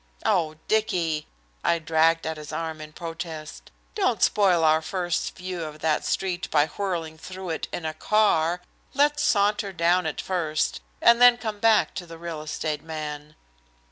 "Oh, Dicky!" I dragged at his arm in protest. "Don't spoil our first view of that street by whirling through it in a car. Let's saunter down it first and then come back to the real estate man."